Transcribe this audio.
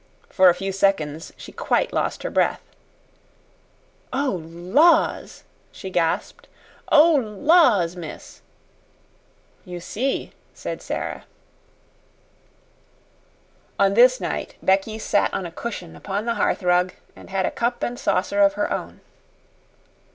For a few seconds she quite lost her breath. "Oh, laws!" she gasped. "Oh, laws, miss!" "You see," said Sara. On this night Becky sat on a cushion upon the hearth rug and had a cup and saucer of her own.